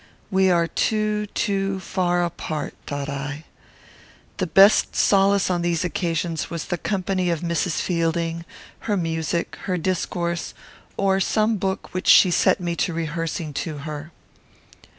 "We are too too far apart," thought I. The best solace on these occasions was the company of Mrs. Fielding; her music, her discourse, or some book which she set me to rehearsing to her.